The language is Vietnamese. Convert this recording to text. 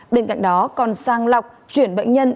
bên cạnh đó còn sang lọc chuyển bệnh nhân